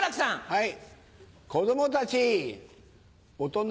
はい。